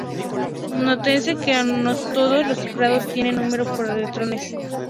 Nótese que no todos los citados tienen número par de electrones.